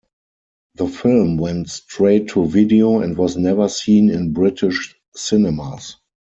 The film went straight to video and was never seen in British cinemas.